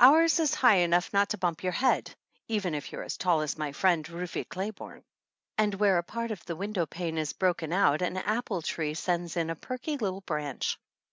Ours is high enough not to bump your head, even if you are as tall as my friend, Rufe Clay borne, and where a part of the window pane is broken out an apple tree sends in a perky little branch.